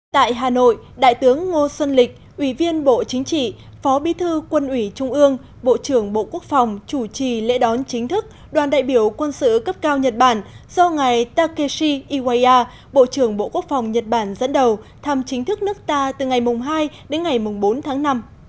tại hà nội đại tướng ngô xuân lịch ủy viên bộ chính trị phó bí thư quân ủy trung ương bộ trưởng bộ quốc phòng chủ trì lễ đón chính thức đoàn đại biểu quân sự cấp cao nhật bản do ngài takeshi iwaya bộ trưởng bộ quốc phòng nhật bản dẫn đầu thăm chính thức nước ta từ ngày hai đến ngày bốn tháng năm